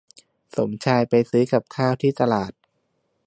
สมชายไปซื้อกับข้าวที่ตลาด